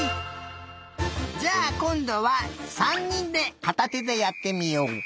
じゃあこんどは３にんでかたてでやってみよう。